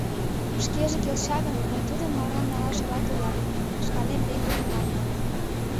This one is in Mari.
«Шкеже келша гын, мый тудым марлан налаш рат улам, — шканем пеҥгыдын маньым.